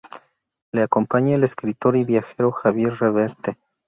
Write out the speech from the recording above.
Le acompaña el escritor y viajero Javier Reverte.